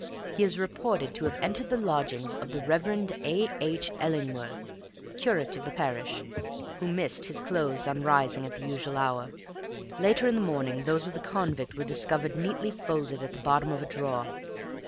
He is reported to have entered the lodgings of the Rev. A. H. Ellingworth, curate of the parish, who missed his clothes on rising at the usual hour; later in the morning those of the convict were discovered neatly folded at the bottom of a drawer.